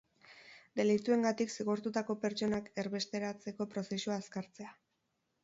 Delituengatik zigortutako pertsonak erbesteratzeko prozesua azkartzea.